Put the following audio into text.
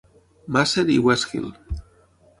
Musser i West Hill.